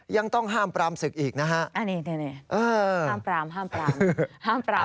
ยังต้องห้ามปรามศึกอีกนะฮะอันนี้นี่ห้ามปราม